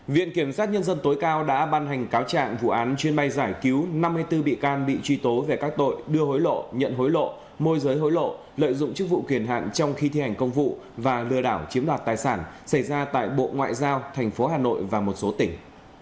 viện kiểm sát nhân dân tối cao đã ban hành cáo trạng vụ án chuyên bay giải cứu năm mươi bốn bị can bị truy tố về các tội đưa hối lộ nhận hối lộ môi giới hối lộ lợi dụng chức vụ kiền hạn trong khi thi hành công vụ và lừa đảo chiếm đoạt tài sản xảy ra tại bộ ngoại giao thành phố hà nội và một số tỉnh